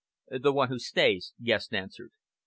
"The one who stays," Guest answered.